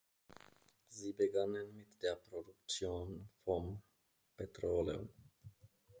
Sie begannen mit der Produktion vom Petroleum.